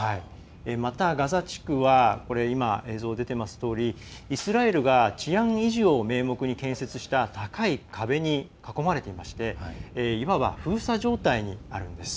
また、ガザ地区は映像のとおりイスラエルが治安維持を名目に建設した高い壁に囲まれていましていわば封鎖状態にあるんです。